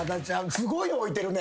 すごいの置いてるね。